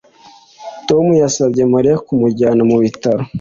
Tom yasabye Mariya kumujyana mu bitaro